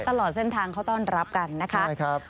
ตลอดเส้นทางเขาต้อนรับกันนะคะ